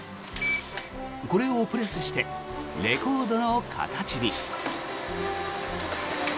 これをプレスしてレコードの形に。